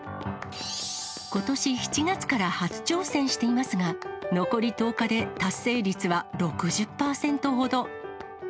ことし７月から初挑戦していますが、残り１０日で達成率は６０％ほど。